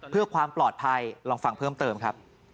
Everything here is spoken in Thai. เพื่อความปลอดภัยลองฟังเพิ่มเติมครับ